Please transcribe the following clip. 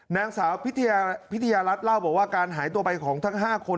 นางสาวพิทยารัฐเล่าบอกว่าการหายตัวไปของทั้ง๕คน